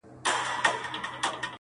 د مېرمني چي بینا سوې دواړي سترګي -